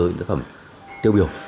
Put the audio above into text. những cái phẩm tiêu biểu